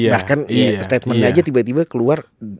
bahkan statementnya aja tiba tiba keluar